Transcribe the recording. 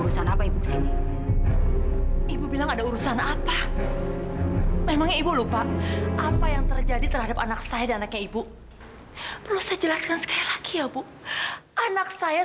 sampai jumpa di video selanjutnya